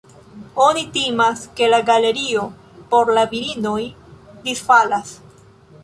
Oni timas, ke la galerio por la virinoj disfalas.